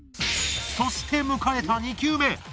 そして迎えた２球目。